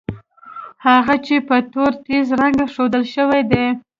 هغه چې په تور تېز رنګ ښودل شوي دي.